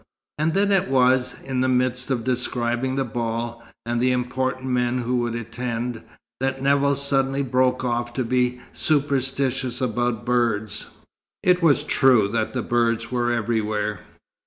And then it was, in the midst of describing the ball, and the important men who would attend, that Nevill suddenly broke off to be superstitious about birds. It was true that the birds were everywhere!